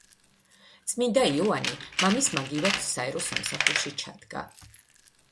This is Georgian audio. წმინდა იოანე მამის მაგივრად საერო სამსახურში ჩადგა.